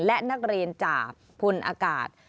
และนักเรียนจากพลอากาศ